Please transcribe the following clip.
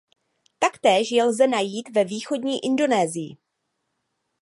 Taktéž je lze najít ve východní Indonésii.